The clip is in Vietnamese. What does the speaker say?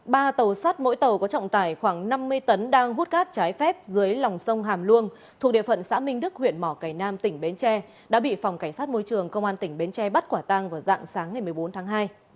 ba tàu sắt mỗi tàu có trọng tải khoảng năm mươi tấn đang hút cát trái phép dưới lòng sông hàm luông thuộc địa phận xã minh đức huyện mỏ cầy nam tỉnh bến tre đã bị phòng cảnh sát môi trường công an tỉnh bến tre bắt quả tăng vào dạng sáng ngày một mươi bốn tháng hai